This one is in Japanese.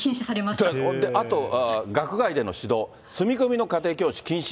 これであと学外での指導、住み込みの家庭教師禁止。